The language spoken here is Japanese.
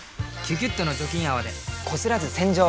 「キュキュット」の除菌泡でこすらず洗浄！